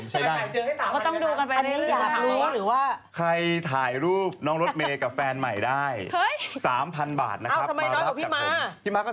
ใช้ให้ถ่ายรูปน้องรถเมกับแฟนใหม่ได้๓๐๐๐บาทนะครับมารับกับคนพี่ม่าก็๓๐๐๐